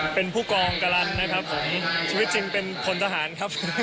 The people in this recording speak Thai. ในละครเป็นผู้กองกรรรณนะครับผมชีวิตจริงเป็นคนสหารครับ